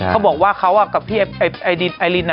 เขาบอกว่าเขากับพี่ไอรีน